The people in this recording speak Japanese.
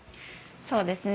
そうですね